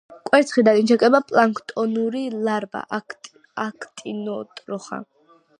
კვერცხიდან იჩეკება პლანქტონური ლარვა—აქტინოტროხა.